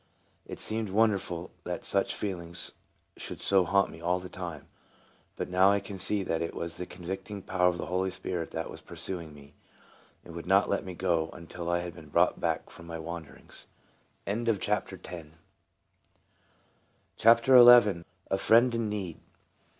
It seemed wonderful that such feelings should so haunt me all the time; but now I can see that it was the convicting power of the Holy Spirit that was pursuing me, and would not let me go until I had been brought back from my wanderings. A FRIEND IN NEED. 47 CHAPTER XI. A FRIEND IN NEED.